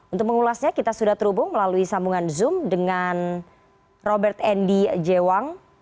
untuk mengulasnya kita sudah terhubung melalui sambungan zoom dengan robert endi jewang